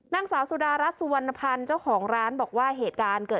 นั่งสาวสุดารัฐสุวรรณภัณฑ์เจ้าของร้านบอกว่า